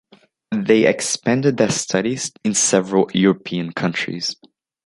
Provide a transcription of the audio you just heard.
They expanded their studies in several European countries.